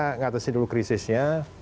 mengatasi dulu krisisnya